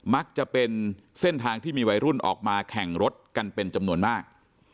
มักจะเป็นเส้นทางที่มีวัยรุ่นออกมาแข่งรถกันเป็นจำนวนมาก